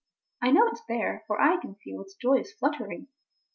I know tis there for I can feel its joyous flut tering.